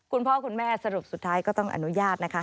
คุณพ่อคุณแม่สรุปสุดท้ายก็ต้องอนุญาตนะคะ